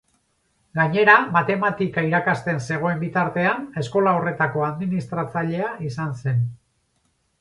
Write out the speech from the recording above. Gainera, matematika irakasten zegoen bitartean, eskola horretako administratzailea izan zen.